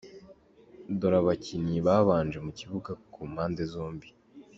Dore abakinnyi babanje mu kibuga ku mpande zombi .